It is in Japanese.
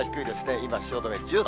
今、汐留１０度。